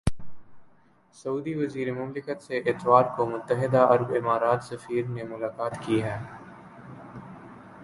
سعودی وزیر مملکت سے اتوار کو متحدہ عرب امارات سفیر نے ملاقات کی ہے